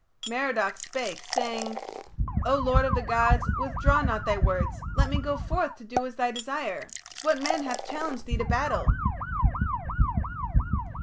Merodach spake, saying: "O lord of the gods, withdraw not thy words; let me go forth to do as is thy desire. What man hath challenged thee to battle?"